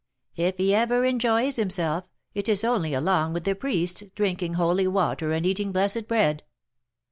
If he ever enjoys himself, it is only along with the priests, drinking holy water, and eating blessed bread.